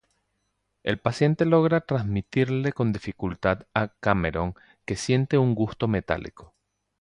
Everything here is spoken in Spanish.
El paciente logra transmitirle con dificultad a Cameron que siente un gusto metálico.